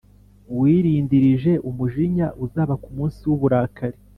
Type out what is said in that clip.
wirindirije umujinya uzaba ku munsi w’uburakari